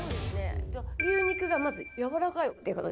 「牛肉がまずやわらかいっていう事です」